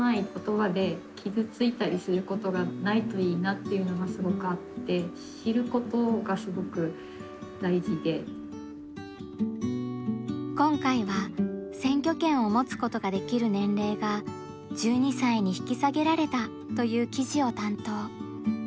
っていうのがすごくあって今回は選挙権を持つことができる年齢が１２歳に引き下げられたという記事を担当。